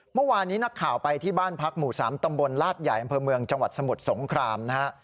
เมื่อวานนี้นักข่าวไปที่บ้านพักหมู่๓ตำบลลาดใหญ่อำเภอเมืองจังหวัดสมุทรสงครามนะฮะ